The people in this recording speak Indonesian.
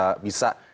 bagaimana menurut anda